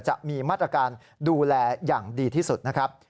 จะมีมาตรการดูแลอย่างดีที่สุดนะครับ